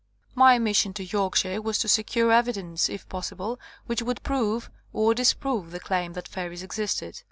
My mission to Yorkshire was to secure evidence, if possible, which would prove or disprove the claim that fairies existed.